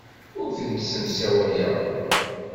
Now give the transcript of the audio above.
Ur tent-ssemsawayeɣ.